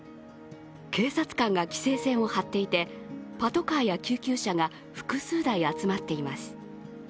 警察官が規制線を張っていて、パトカーや救急車が複数台集まっています。